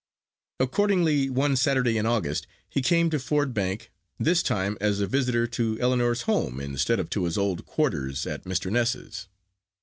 Accordingly one Saturday in August, he came to Ford Bank, this time as a visitor to Ellinor's home, instead of to his old quarters at Mr. Ness's.